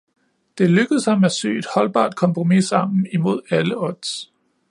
Det er lykkedes ham at sy et holdbart kompromis sammen imod alle odds.